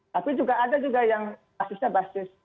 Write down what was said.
tapi juga ada juga yang basisnya basis